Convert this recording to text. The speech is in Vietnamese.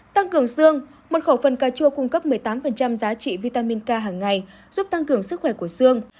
tăng cường xương một khẩu phần cà chua cung cấp một mươi tám giá trị vitaminca hàng ngày giúp tăng cường sức khỏe của xương